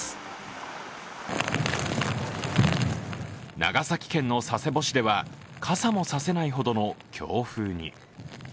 長崎県の佐世保市では傘も差せないほどの強風に。